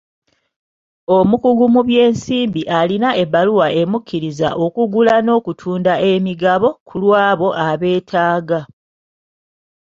Omukugu mu by'ensimbi alina ebbaluwa emukkiriza okugula n'okutunda emigabo ku lw'abo abeetaaga.